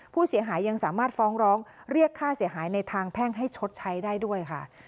ผู้เสียหายยังสามารถฟ้องร้องเรียกค่าเสียหายในทางแพ่งให้ชดใช้ได้ด้วยค่ะ